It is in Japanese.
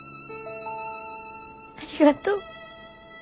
ありがとう。